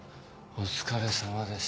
お疲れさまです。